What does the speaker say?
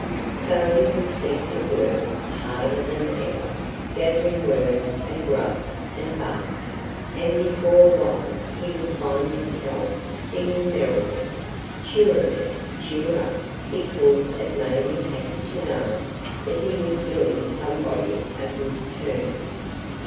So he would set to work harder than ever gathering worms and grubs and bugs; and before long he would find himself singing merrily, "Cheerily, cheer up!" because it made him happy to know that he was doing somebody a good turn.